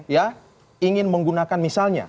ya ingin menggunakan misalnya